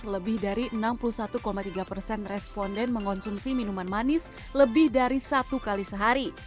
lebih dari enam puluh satu tiga persen responden mengonsumsi minuman manis lebih dari satu kali sehari